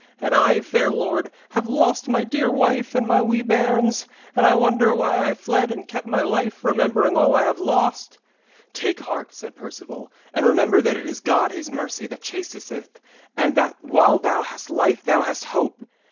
And I, fair lord, have lost my dear wife and my wee bairns, and I wonder why I fled and kept my life, remembering all I have lost.' 'Take heart,' said Perceval, 'and remember that it is God His mercy that chastiseth, and that while thou hast life thou hast hope.